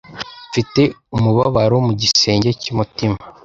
Mfite umubabaro mu gisenge cy’umutima